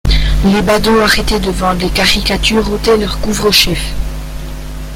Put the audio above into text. Les badauds arrêtés devant les caricatures ôtaient leurs couvre-chefs.